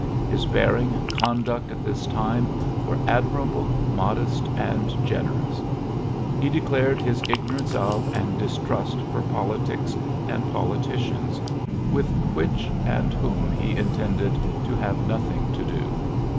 bearing and conduct at this time ^ admirable^ modesty and generous, declared his ignorance of and dist for politics and politicians, with wl and whom he intended to have notl to do."